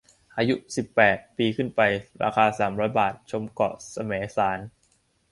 อายุ สิบแปด ปีขึ้นไป ราคา สามร้อย บาท ชมเกาะแสมสาร